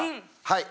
はい。